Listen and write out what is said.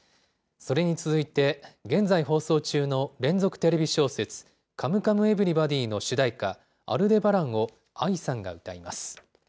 それに続いて、現在放送中の連続テレビ小説、カムカムエヴリバディの主題歌、アルデバランをＡＩさんが歌います。